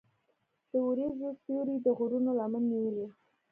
د وریځو سیوری د غرونو لمن نیولې.